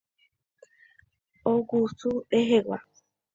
Ogusu rehegua.